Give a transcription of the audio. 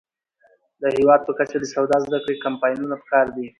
د هیواد په کچه د سواد زده کړې کمپاینونه پکار دي.